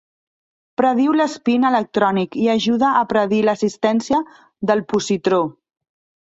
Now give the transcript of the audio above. Prediu l'espín electrònic i ajuda a predir l'existència del positró.